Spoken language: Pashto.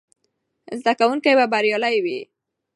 زده کوونکي به بریالي وي.